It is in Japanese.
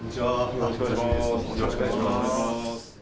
よろしくお願いします。